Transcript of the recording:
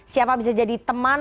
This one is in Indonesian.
siapa bisa jadi teman